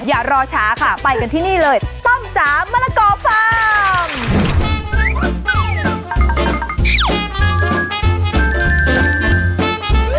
อย่ารอช้าค่ะไปกันที่นี่เลยต้มจ๋ามะละกอฟฟาร์ม